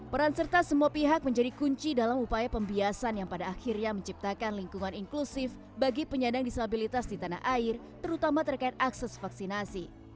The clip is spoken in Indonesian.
peran serta semua pihak menjadi kunci dalam upaya pembiasan yang pada akhirnya menciptakan lingkungan inklusif bagi penyandang disabilitas di tanah air terutama terkait akses vaksinasi